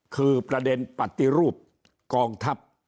คือประเด็นปฏิรูปกองทัพ